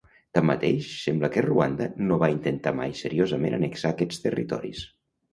Tanmateix, sembla que Ruanda no va intentar mai seriosament annexar aquests territoris.